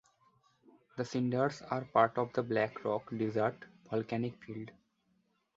The Cinders are part of the Black Rock Desert volcanic field.